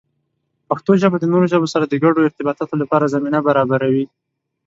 پښتو ژبه د نورو ژبو سره د ګډو ارتباطاتو لپاره زمینه برابروي.